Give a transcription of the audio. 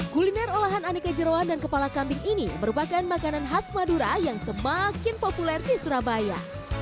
kuliner olahan aneka jerawan dan kepala kambing ini merupakan makanan khas madura yang semakin populer di surabaya